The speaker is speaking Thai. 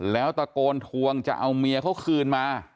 แล้วตะโกนทวงจะเอาเมียเขาคืนมา